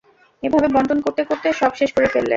এভাবে বন্টন করতে করতে সব শেষ করে ফেললেন।